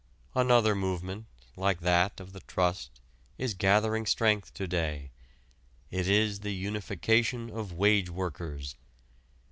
Another movement like that of the trust is gathering strength to day. It is the unification of wage workers.